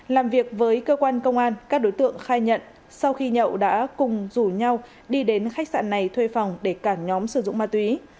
làm việc với cơ quan công an các đối tượng khai nhận sau khi nhậu đã cùng rủ nhau đi đến khách sạn này thuê phòng để cả nhóm sử dụng ma túy